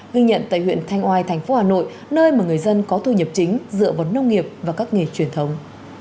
ghi nhận tại huyện thanh oai thành phố hà nội nơi mà người dân có thu nhập chính dựa vào nông nghiệp và các nghề truyền thống